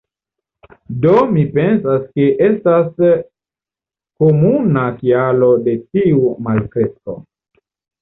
Do mi pensas ke estas komuna kialo de tiu malkresko.